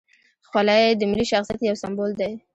خولۍ د ملي شخصیت یو سمبول دی.